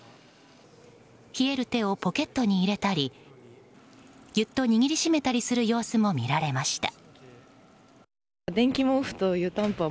冷える手をポケットに入れたりぎゅっと握りしめたりする様子も見られました。